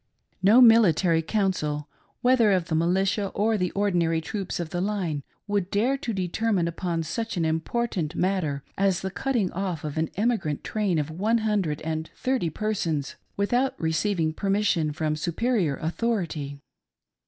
No military council, whether of the militia or the ordinary troops of the line, would dare to determine upon such an important matter as the cutting off of an emigrant train of one hundred and thirty persons without receiving permission from superior authority.